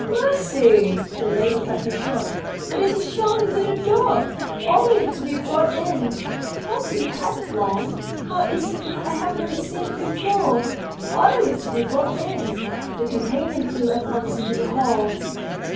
"Mercy!" the lady cut her short; "but it's a charming little dog! order it to be brought in. Has he had it long? How is it I've never seen it before? ... Order it to be brought in." The companion flew at once into the hall.